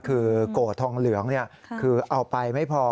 คือโกรธทองเหลืองคือเอาไปไม่พอ